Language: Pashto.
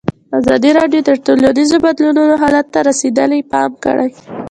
ازادي راډیو د ټولنیز بدلون حالت ته رسېدلي پام کړی.